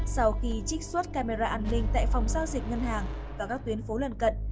sau khi trích xuất camera an ninh tại phòng giao dịch ngân hàng và các tuyến phố lần cận